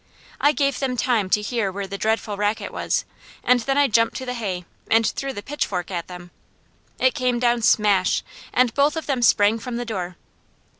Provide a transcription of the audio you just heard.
I gave them time to hear where the dreadful racket was, and then I jumped to the hay and threw the pitchfork at them. It came down smash! and both of them sprang from the door.